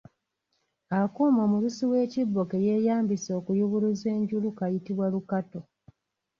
Akuuma omulusi w'ekibbo ke yeeyambisa okuyubuluza enjulu kayitibwa lukatu.